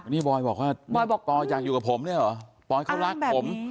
นี่บอยบอกว่าบอยบอกปอยอยากอยู่กับผมเนี่ยเหรอปอยเขารักผม